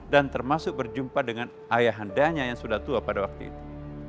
dan termasuk berjumpa dengan ayah handanya yang sudah tua pada waktu itu